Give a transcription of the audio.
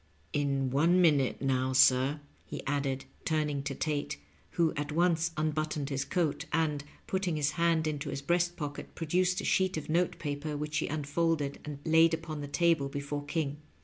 ^^ In one minute now, sir," he added, turning to Tate, who at once unbuttoned his coat, and, putting his hand into his breast pocket, produced a sheet of note paper, which he unfolded and laid upon the table before King.